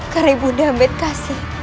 karena ibu damat kasih